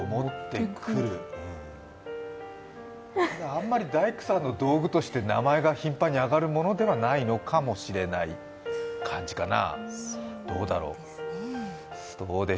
あんまり大工さんの道具として名前が頻繁に挙がるものではない感じかな。